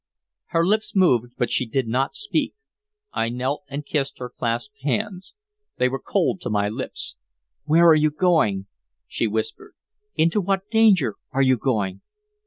Her lips moved, but she did not speak. I knelt and kissed her clasped hands. They were cold to my lips. "Where are you going?" she whispered. "Into what danger are you going?